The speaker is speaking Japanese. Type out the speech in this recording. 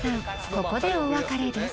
ここでお別れです］